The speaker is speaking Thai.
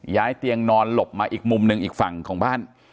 เตียงนอนหลบมาอีกมุมหนึ่งอีกฝั่งของบ้าน